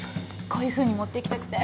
こういうふうに持っていきたくて。